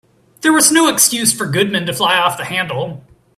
There was no excuse for Goodman to fly off the handle.